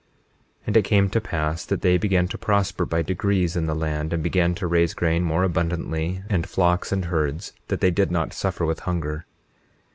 21:16 And it came to pass that they began to prosper by degrees in the land, and began to raise grain more abundantly, and flocks, and herds, that they did not suffer with hunger.